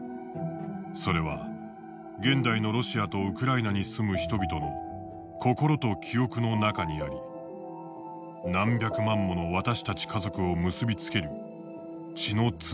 それは現代のロシアとウクライナに住む人々の心と記憶の中にあり何百万もの私たち家族を結び付ける血のつながりの中にある」。